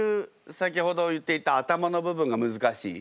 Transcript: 先ほど言っていた頭の部分が難しい。